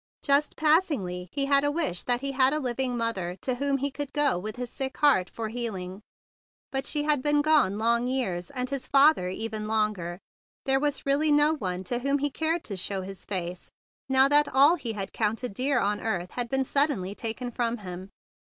Just passingly he had a wish that he had a living mother to whom he could go with his sick heart for healing. But she had been gone long years, and his father even longer. There was really no one to whom he cared to show his face, now that all he had counted dear on earth had been suddenly taken from him.